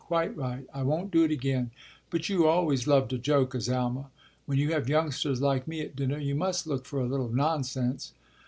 Quite right. I won't do it again; but you always loved a joke, Azalma. When you have youngsters like me at dinner you must look for a little nonsense."